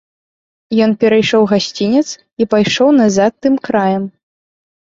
Ён перайшоў гасцінец і пайшоў назад тым краем.